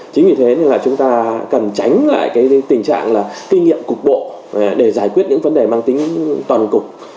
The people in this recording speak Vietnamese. chính vì thế nên là chúng ta cần tránh lại cái tình trạng là kinh nghiệm cục bộ để giải quyết những vấn đề mang tính toàn cục